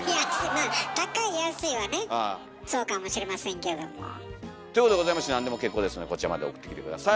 まあ高い安いはねそうかもしれませんけども。ということでございまして何でも結構ですのでこちらまで送ってきて下さい。